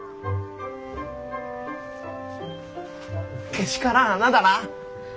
けしからん穴だな！